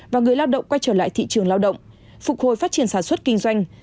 và người lao động quay trở lại thị trường lao động phục hồi phát triển sản xuất kinh doanh